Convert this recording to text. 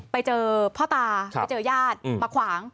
ไปเจอพ่อตาไปเจอญาติมาขวาง